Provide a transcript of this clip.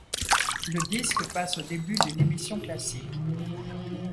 Le disque passe au début d'une émission classique.